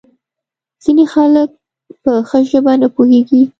ځینې خلک په ښه ژبه نه پوهیږي.